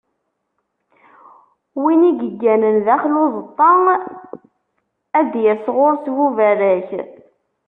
Win i yegganen daxel n uzeṭṭa, ad d-yas ɣur-s buberrak.